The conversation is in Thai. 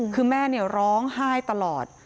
คือแม่ร้องไห้ตลอด